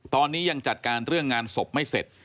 ตอนนี้ยังจัดการเรื่องงานศพไม่เสร็จ